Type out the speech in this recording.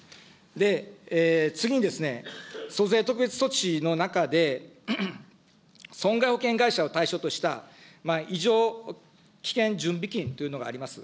で、次にですね、租税特別措置の中で損害保険会社を対象とした異常危険準備金というのがあります。